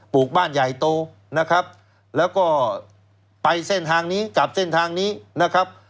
ลูกบ้านใหญ่โตนะครับแล้วก็ไปเส้นทางนี้กับเส้นทางนี้นะครับ